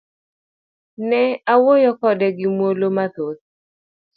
Ne awuoyo kode gi muolo mathoth.